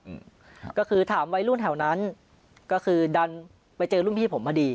อืมครับ่ะก็คือถามไว้รุ่นแถวนั้นก็คือดันไปเจอหลุมพี่ผมพระดี